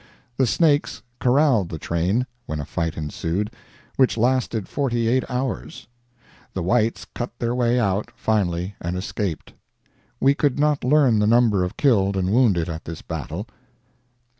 The Snakes corralled the train, when a fight ensued, which lasted forty eight hours. The whites cut their way out, finally, and escaped. We could not learn the number of killed and wounded at this battle.